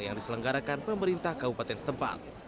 yang diselenggarakan pemerintah kabupaten setempat